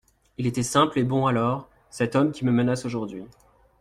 Il était simple et bon alors, cet homme qui me menace aujourd'hui.